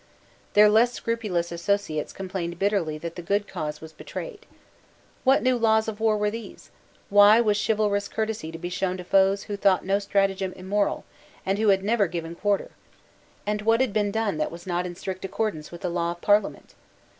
Their less scrupulous associates complained bitterly that the good cause was betrayed. What new laws of war were these? Why was chivalrous courtesy to be shown to foes who thought no stratagem immoral, and who had never given quarter? And what had been done that was not in strict accordance with the law of Parliament?